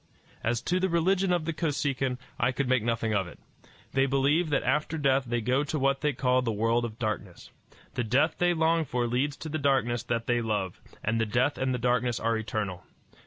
As to the religion of the Kosekin, I could make nothing of it. They believe that after death they go to what they call the world of darkness. The death they long for leads to the darkness that they love; and the death and the darkness are eternal.